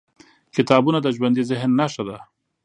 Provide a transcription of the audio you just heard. کتابونه د ژوندي ذهن نښه ده.